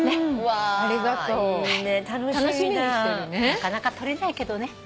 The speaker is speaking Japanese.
なかなか撮れないけどね。